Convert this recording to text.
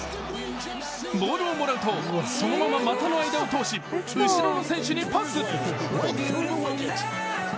ボールをもらうと、そのまま股の間を通し、後ろの選手にパス。